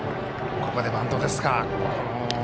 ここでバントですか。